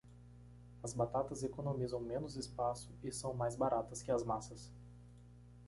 As batatas economizam menos espaço e são mais baratas que as massas.